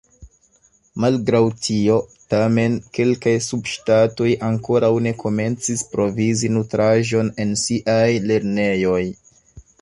Malgraŭ tio, tamen, kelkaj subŝtatoj ankoraŭ ne komencis provizi nutraĵon en siaj lernejoj.